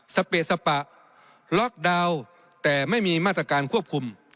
สเปสปะล็อกดาวน์แต่ไม่มีมาตรการควบคุม